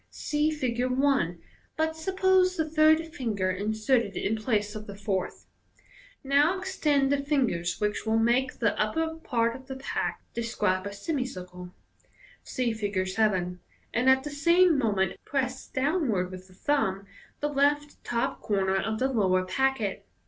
(See Fig. i, but suppose the third finger in serted in place of the fourth.) Now extend the fingers, which will make the upper part of the pack describe a semicircle (see Fig. 7), and at the same moment press downward with the thumb the left top corner of the lower packet.